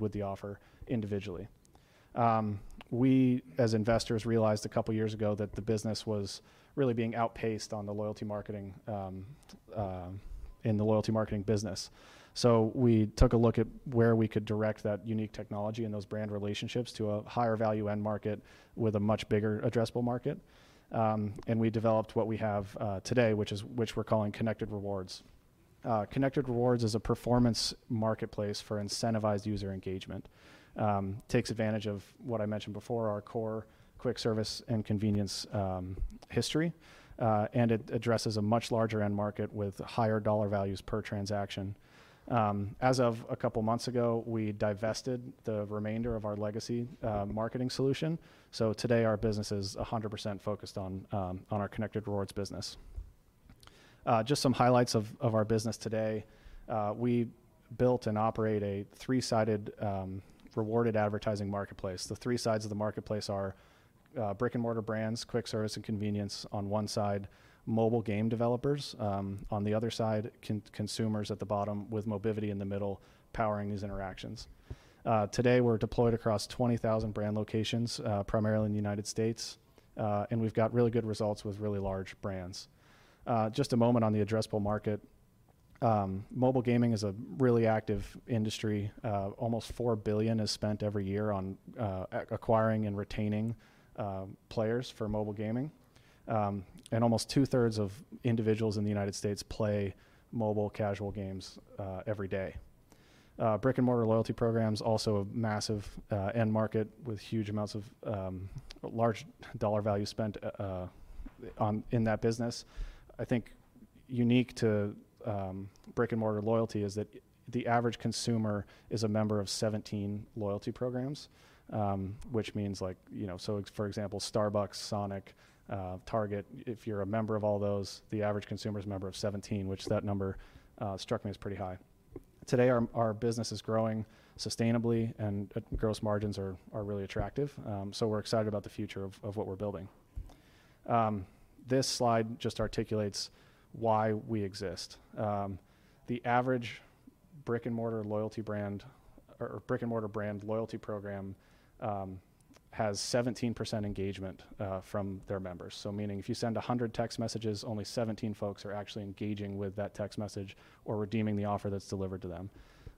With the offer individually. We, as investors, realized a couple years ago that the business was really being outpaced on the loyalty marketing, in the loyalty marketing business. So we took a look at where we could direct that unique technology and those brand relationships to a higher value end market with a much bigger addressable market. We developed what we have today, which is, which we're calling Connected Rewards. Connected Rewards is a performance marketplace for incentivized user engagement. It takes advantage of what I mentioned before, our core quick service and convenience history. It addresses a much larger end market with higher dollar values per transaction. As of a couple months ago, we divested the remainder of our legacy marketing solution. So today our business is 100% focused on our Connected Rewards business. Just some highlights of our business today. We built and operate a three-sided, rewarded advertising marketplace. The three sides of the marketplace are brick-and-mortar brands, quick service and convenience on one side, mobile game developers on the other side, consumers at the bottom with Mobivity in the middle powering these interactions. Today we're deployed across 20,000 brand locations, primarily in the United States. We've got really good results with really large brands. Just a moment on the addressable market. Mobile gaming is a really active industry. Almost $4 billion is spent every year on acquiring and retaining players for mobile gaming. Almost two-thirds of individuals in the United States play mobile casual games every day. Brick-and-mortar loyalty programs also a massive end market with huge amounts of large dollar value spent on in that business. I think unique to brick-and-mortar loyalty is that the average consumer is a member of 17 loyalty programs, which means like, you know, so for example, Starbucks, Sonic, Target, if you're a member of all those, the average consumer's a member of 17, which number struck me as pretty high. Today our business is growing sustainably and gross margins are really attractive, so we're excited about the future of what we're building. This slide just articulates why we exist. The average brick-and-mortar loyalty brand, or brick-and-mortar brand loyalty program, has 17% engagement from their members, so meaning if you send 100 text messages, only 17 folks are actually engaging with that text message or redeeming the offer that's delivered to them.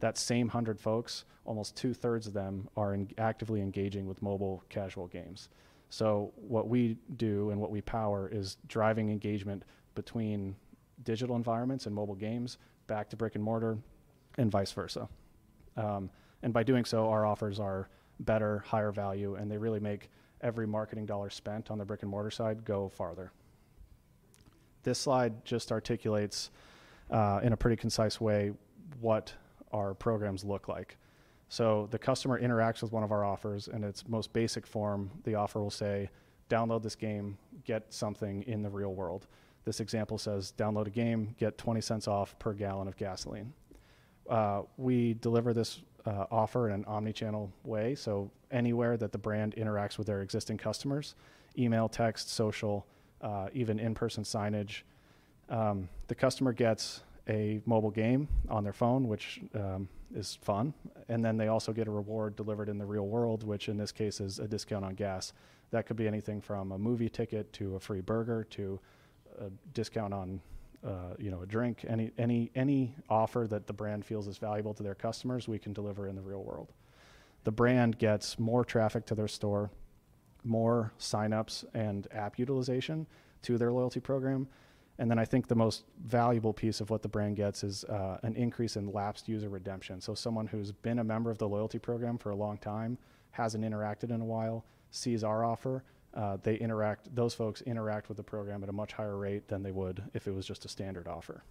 That same 100 folks, almost two-thirds of them are inactively engaging with mobile casual games. So what we do and what we power is driving engagement between digital environments and mobile games back to brick-and-mortar and vice versa. And by doing so, our offers are better, higher value, and they really make every marketing dollar spent on the brick-and-mortar side go farther. This slide just articulates, in a pretty concise way, what our programs look like. So the customer interacts with one of our offers in its most basic form. The offer will say, "Download this game, get something in the real world." This example says, "Download a game, get $0.20 off per gallon of gasoline." We deliver this offer in an omnichannel way. So anywhere that the brand interacts with their existing customers: email, text, social, even in-person signage. The customer gets a mobile game on their phone, which is fun. Then they also get a reward delivered in the real world, which in this case is a discount on gas. That could be anything from a movie ticket to a free burger to a discount on, you know, a drink. Any offer that the brand feels is valuable to their customers, we can deliver in the real world. The brand gets more traffic to their store, more sign-ups and app utilization to their loyalty program. Then I think the most valuable piece of what the brand gets is an increase in lapsed user redemption. Someone who's been a member of the loyalty program for a long time, hasn't interacted in a while, sees our offer, they interact, those folks interact with the program at a much higher rate than they would if it was just a standard offer.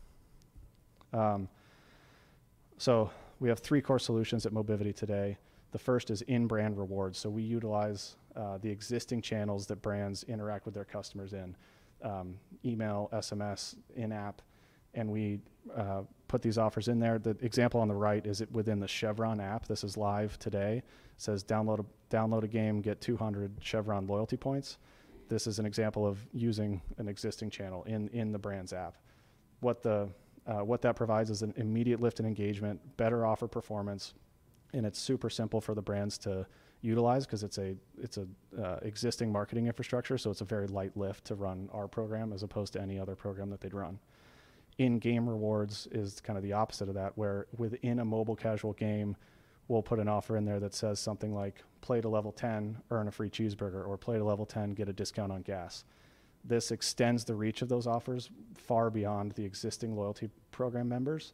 So we have three core solutions at Mobivity today. The first is in-brand rewards. So we utilize the existing channels that brands interact with their customers in, email, SMS, in-app. And we put these offers in there. The example on the right is within the Chevron app. This is live today. It says, "Download a game, get 200 Chevron loyalty points." This is an example of using an existing channel in the brand's app. What that provides is an immediate lift in engagement, better offer performance, and it's super simple for the brands to utilize 'cause it's an existing marketing infrastructure. So it's a very light lift to run our program as opposed to any other program that they'd run. In-game rewards is kinda the opposite of that where within a mobile casual game, we'll put an offer in there that says something like, "Play to level 10, earn a free cheeseburger," or, "Play to level 10, get a discount on gas." This extends the reach of those offers far beyond the existing loyalty program members,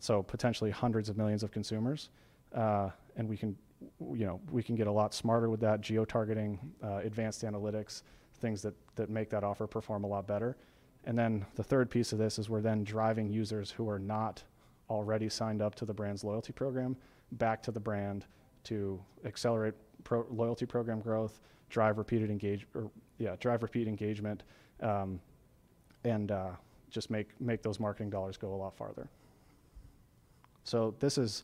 so potentially hundreds of millions of consumers, and we can, you know, we can get a lot smarter with that geo-targeting, advanced analytics, things that make that offer perform a lot better, and then the third piece of this is we're then driving users who are not already signed up to the brand's loyalty program back to the brand to accelerate loyalty program growth, drive repeat engagement, and just make those marketing dollars go a lot farther. So this is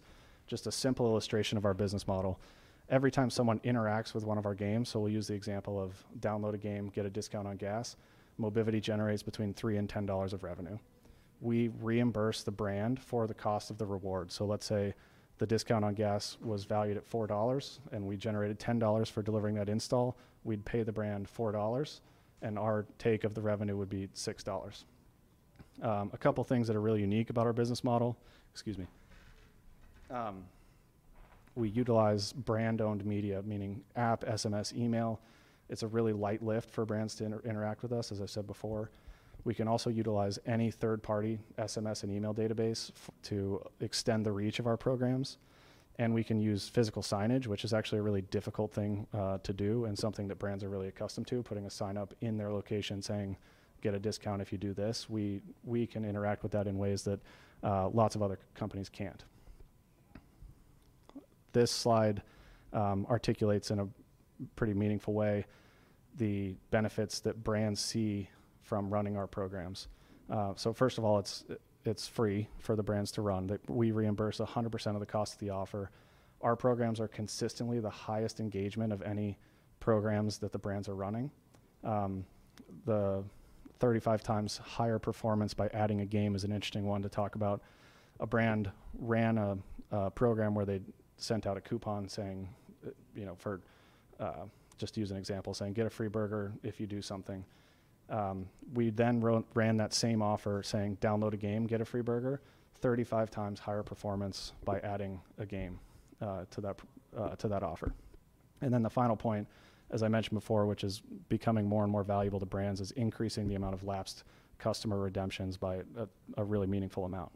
just a simple illustration of our business model. Every time someone interacts with one of our games, so we'll use the example of, "Download a game, get a discount on gas." Mobivity generates between $3 and $10 of revenue. We reimburse the brand for the cost of the reward. So let's say the discount on gas was valued at $4 and we generated $10 for delivering that install. We'd pay the brand $4 and our take of the revenue would be $6. A couple things that are really unique about our business model, excuse me. We utilize brand-owned media, meaning app, SMS, email. It's a really light lift for brands to interact with us, as I said before. We can also utilize any third-party SMS and email database to extend the reach of our programs. We can use physical signage, which is actually a really difficult thing to do and something that brands are really accustomed to, putting a sign up in their location saying, "Get a discount if you do this." We can interact with that in ways that lots of other companies can't. This slide articulates in a pretty meaningful way the benefits that brands see from running our programs. First of all, it's free for the brands to run. We reimburse 100% of the cost of the offer. Our programs are consistently the highest engagement of any programs that the brands are running. The 35x higher performance by adding a game is an interesting one to talk about. A brand ran a program where they sent out a coupon saying, you know, just to use an example, saying, "Get a free burger if you do something." We then ran that same offer saying, "Download a game, get a free burger," 35 times higher performance by adding a game to that offer. And then the final point, as I mentioned before, which is becoming more and more valuable to brands, is increasing the amount of lapsed customer redemptions by a really meaningful amount.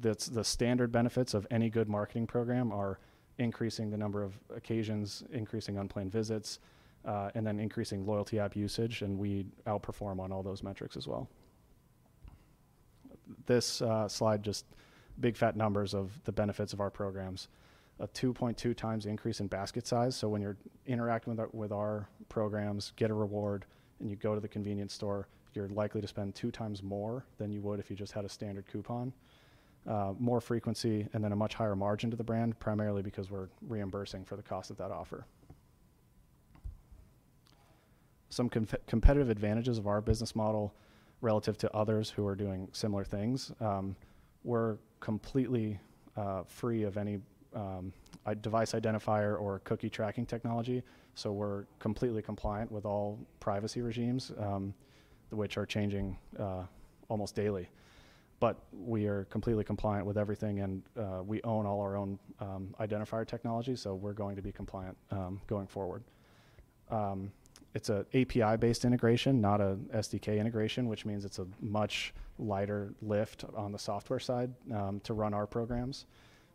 The standard benefits of any good marketing program are increasing the number of occasions, increasing unplanned visits, and then increasing loyalty app usage. And we outperform on all those metrics as well. This slide just big fat numbers of the benefits of our programs. A 2.2x increase in basket size. So when you're interacting with our programs, get a reward, and you go to the convenience store, you're likely to spend two times more than you would if you just had a standard coupon. More frequency and then a much higher margin to the brand, primarily because we're reimbursing for the cost of that offer. Some competitive advantages of our business model relative to others who are doing similar things. We're completely free of any device identifier or cookie tracking technology. So we're completely compliant with all privacy regimes, which are changing almost daily. But we are completely compliant with everything, and we own all our own identifier technology. So we're going to be compliant going forward. It's an API-based integration, not an SDK integration, which means it's a much lighter lift on the software side to run our programs.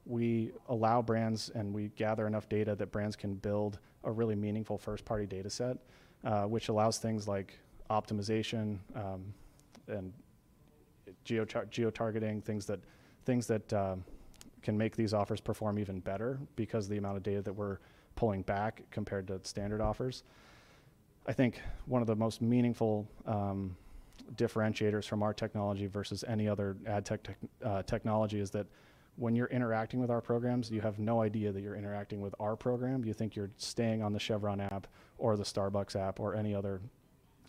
We allow brands and we gather enough data that brands can build a really meaningful first-party data set, which allows things like optimization, and geo-targeting, things that can make these offers perform even better because of the amount of data that we're pulling back compared to standard offers. I think one of the most meaningful differentiators from our technology versus any other ad tech technology is that when you're interacting with our programs, you have no idea that you're interacting with our program. You think you're staying on the Chevron app or the Starbucks app or any other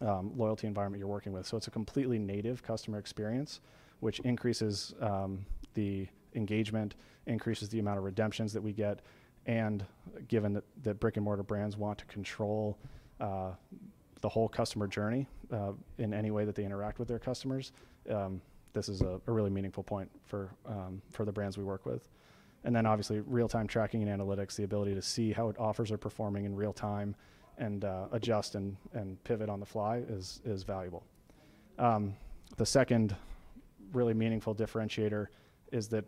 loyalty environment you're working with. So it's a completely native customer experience, which increases the engagement, increases the amount of redemptions that we get. And given that brick-and-mortar brands want to control the whole customer journey in any way that they interact with their customers, this is a really meaningful point for the brands we work with. And then obviously real-time tracking and analytics, the ability to see how offers are performing in real time and adjust and pivot on the fly is valuable. The second really meaningful differentiator is that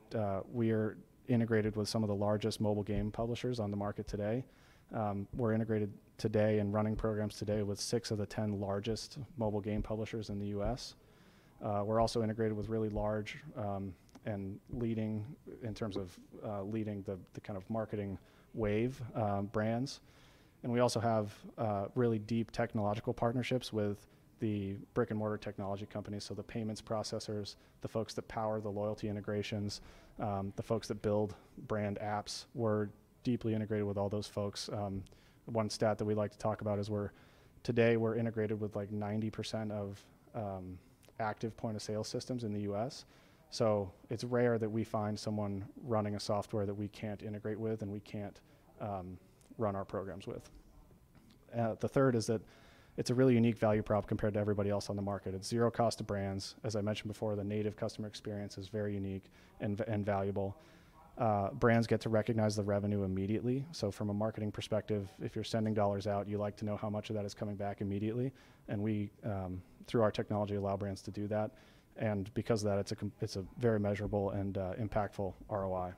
we are integrated with some of the largest mobile game publishers on the market today. We're integrated today and running programs today with six of the 10 largest mobile game publishers in the US. We're also integrated with really large and leading in terms of leading the kind of marketing wave brands. And we also have really deep technological partnerships with the brick-and-mortar technology companies. So the payments processors, the folks that power the loyalty integrations, the folks that build brand apps, we're deeply integrated with all those folks. One stat that we like to talk about is we're today integrated with like 90% of active point-of-sale systems in the U.S. So it's rare that we find someone running a software that we can't integrate with and we can't run our programs with. The third is that it's a really unique value prop compared to everybody else on the market. It's zero cost to brands. As I mentioned before, the native customer experience is very unique and valuable. Brands get to recognize the revenue immediately. So from a marketing perspective, if you're sending dollars out, you like to know how much of that is coming back immediately. And we, through our technology, allow brands to do that. And because of that, it's a very measurable and impactful ROI.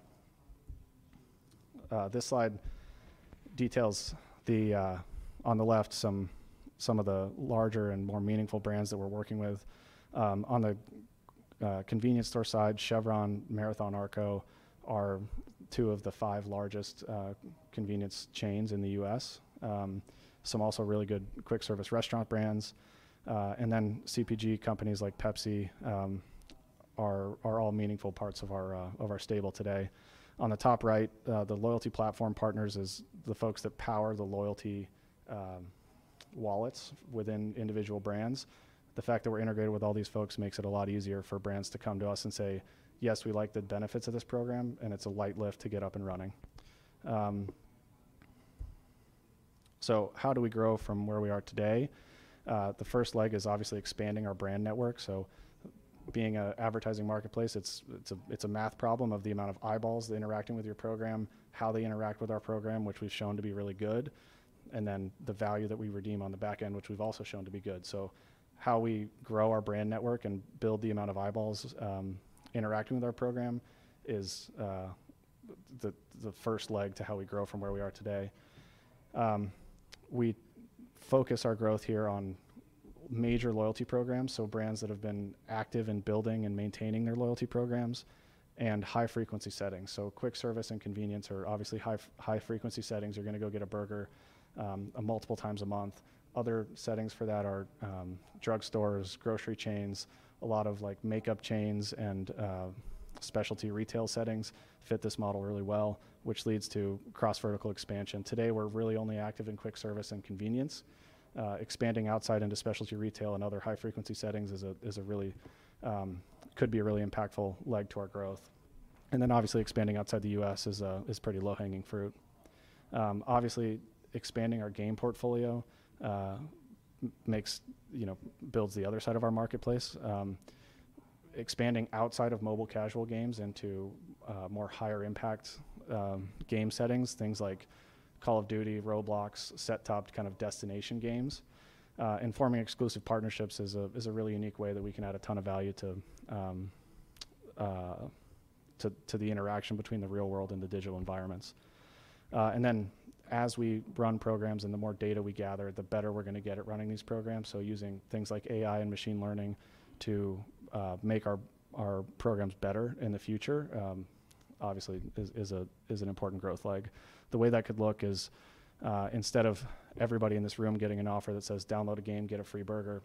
This slide details the, on the left, some of the larger and more meaningful brands that we're working with. On the convenience store side, Chevron, Marathon, ARCO are two of the five largest convenience chains in the U.S. Some also really good quick-service restaurant brands. And then CPG companies like Pepsi are all meaningful parts of our stable today. On the top right, the loyalty platform partners is the folks that power the loyalty wallets within individual brands. The fact that we're integrated with all these folks makes it a lot easier for brands to come to us and say, "Yes, we like the benefits of this program," and it's a light lift to get up and running. So how do we grow from where we are today? The first leg is obviously expanding our brand network. So being an advertising marketplace, it's a math problem of the amount of eyeballs interacting with your program, how they interact with our program, which we've shown to be really good, and then the value that we redeem on the back end, which we've also shown to be good. So how we grow our brand network and build the amount of eyeballs interacting with our program is the first leg to how we grow from where we are today. We focus our growth here on major loyalty programs. So brands that have been active in building and maintaining their loyalty programs and high-frequency settings. So quick service and convenience are obviously high-frequency settings. You're gonna go get a burger multiple times a month. Other settings for that are drug stores, grocery chains, a lot of like makeup chains and specialty retail settings fit this model really well, which leads to cross-vertical expansion. Today, we're really only active in quick service and convenience. Expanding outside into specialty retail and other high-frequency settings could be a really impactful leg to our growth. And then obviously expanding outside the US is pretty low-hanging fruit. Obviously expanding our game portfolio, you know, builds the other side of our marketplace. Expanding outside of mobile casual games into more higher-impact game settings, things like Call of Duty, Roblox, set-top kind of destination games, and forming exclusive partnerships is a really unique way that we can add a ton of value to the interaction between the real world and the digital environments. And then as we run programs and the more data we gather, the better we're gonna get at running these programs. So using things like AI and machine learning to make our programs better in the future, obviously is an important growth leg. The way that could look is, instead of everybody in this room getting an offer that says, "Download a game, get a free burger,"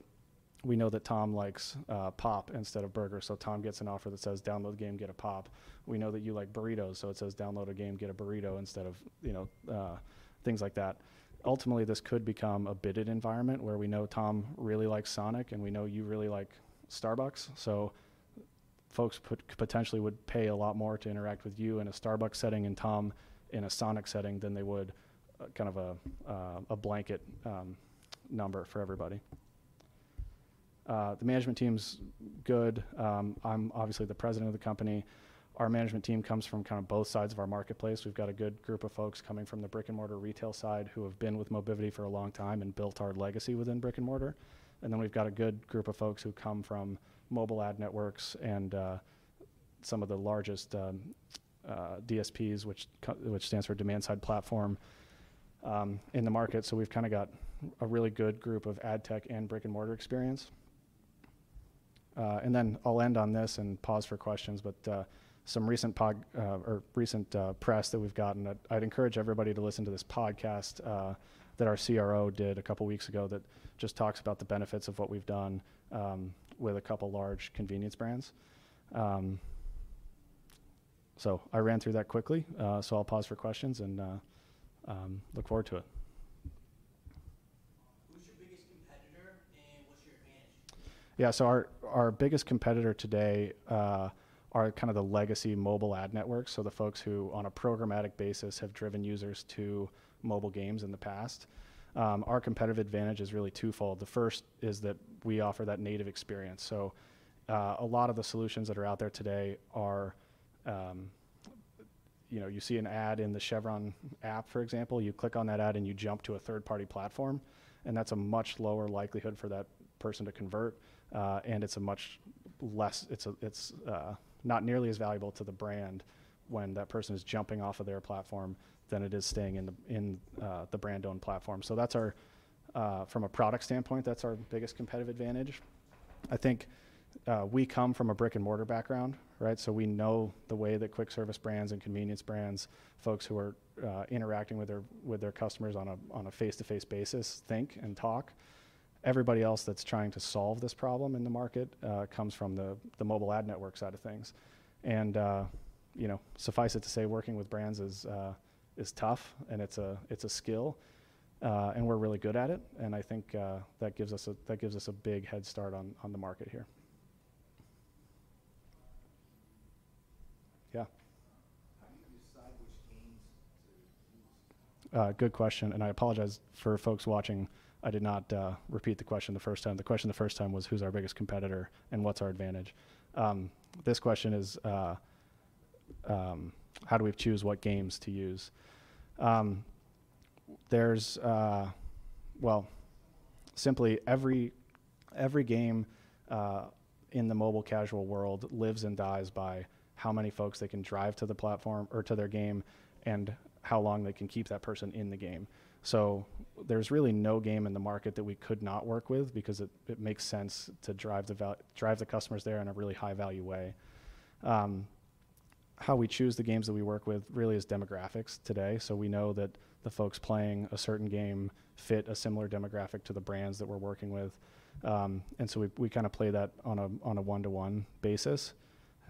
we know that Tom likes pop instead of burger. So Tom gets an offer that says, "Download a game, get a pop." We know that you like burritos. So it says, "Download a game, get a burrito" instead of, you know, things like that. Ultimately, this could become a bidded environment where we know Tom really likes Sonic and we know you really like Starbucks. So, folks potentially would pay a lot more to interact with you in a Starbucks setting and Tom in a Sonic setting than they would kind of a blanket number for everybody. The management team's good. I'm obviously the president of the company. Our management team comes from kind of both sides of our marketplace. We've got a good group of folks coming from the brick-and-mortar retail side who have been with Mobivity for a long time and built our legacy within brick-and-mortar. And then we've got a good group of folks who come from mobile ad networks and some of the largest DSPs, which stands for demand-side platform, in the market. So we've kind of got a really good group of ad tech and brick-and-mortar experience, and then I'll end on this and pause for questions. But some recent PR, or recent press that we've gotten, I'd encourage everybody to listen to this podcast that our CRO did a couple weeks ago that just talks about the benefits of what we've done with a couple large convenience brands, so I ran through that quickly, so I'll pause for questions and look forward to it. Yeah. Our biggest competitor today are kind of the legacy mobile ad networks. So the folks who, on a programmatic basis, have driven users to mobile games in the past. Our competitive advantage is really twofold. The first is that we offer that native experience. So, a lot of the solutions that are out there today are, you know, you see an ad in the Chevron app, for example. You click on that ad and you jump to a third-party platform, and that's a much lower likelihood for that person to convert, and it's much less. It's not nearly as valuable to the brand when that person is jumping off of their platform than it is staying in the brand-owned platform. So that's our from a product standpoint. That's our biggest competitive advantage. I think we come from a brick-and-mortar background, right? So we know the way that quick-service brands and convenience brands, folks who are interacting with their customers on a face-to-face basis think and talk. Everybody else that's trying to solve this problem in the market comes from the mobile ad network side of things. And you know, suffice it to say, working with brands is tough and it's a skill. And we're really good at it. And I think that gives us a big head start on the market here. Yeah. Good question, and I apologize for folks watching. I did not repeat the question the first time. The question the first time was, who's our biggest competitor and what's our advantage? This question is, how do we choose what games to use? There's, well, simply every game in the mobile casual world lives and dies by how many folks they can drive to the platform or to their game and how long they can keep that person in the game, so there's really no game in the market that we could not work with because it makes sense to drive the customers there in a really high-value way. How we choose the games that we work with really is demographics today, so we know that the folks playing a certain game fit a similar demographic to the brands that we're working with. And so we kind of play that on a one-to-one basis.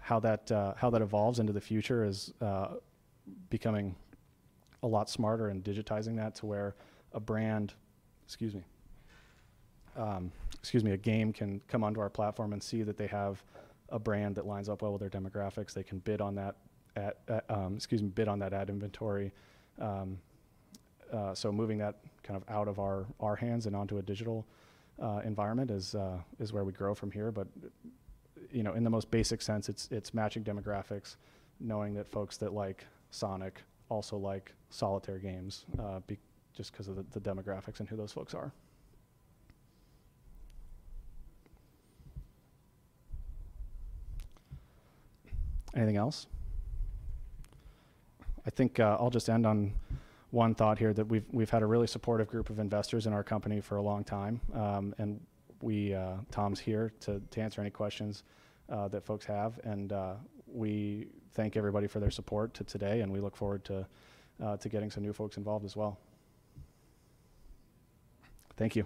How that evolves into the future is becoming a lot smarter and digitizing that to where a brand, excuse me, a game can come onto our platform and see that they have a brand that lines up well with their demographics. They can bid on that ad, excuse me, bid on that ad inventory. So moving that kind of out of our hands and onto a digital environment is where we grow from here. But you know, in the most basic sense, it's matching demographics, knowing that folks that like Sonic also like solitaire games because just 'cause of the demographics and who those folks are. Anything else? I think I'll just end on one thought here that we've had a really supportive group of investors in our company for a long time. We, Tom's here to answer any questions that folks have. We thank everybody for their support to today, and we look forward to getting some new folks involved as well. Thank you.